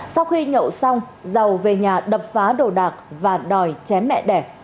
sau khi nhậu xong giàu về nhà đập phá đồ đạc và đòi chém mẹ đẻ